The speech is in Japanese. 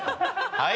はい？